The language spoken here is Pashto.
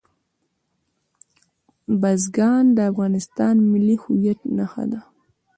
بزګان د افغانستان د ملي هویت نښه ده.